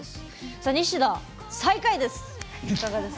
さあニシダ最下位です。